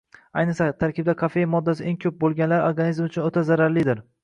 Ayniqsa, tarkibida kofein moddasi eng koʻp boʻlganlari organizm uchun oʻta zararlidir.